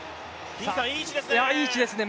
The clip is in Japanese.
いい位置ですね